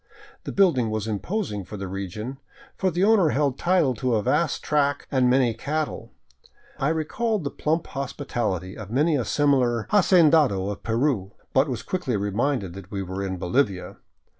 The building was imposing for the region, for the owner held title to a vast tract and many cattle. I recalled the plump hospitality of many a similar hacendado of Peru, but was quickly reminded that we were in Bolivia.